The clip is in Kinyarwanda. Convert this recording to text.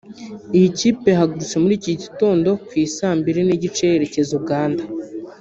Iyi kipe yahagurutse muri iki gitondo ku i Saa mbili n’igice yerekeza Uganda